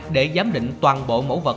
để giám định toàn bộ mẫu vật